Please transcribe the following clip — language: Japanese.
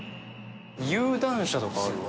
「有段者」とかあるよ。